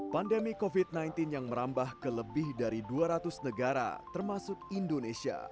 pandemi covid sembilan belas yang merambah ke lebih dari dua ratus negara termasuk indonesia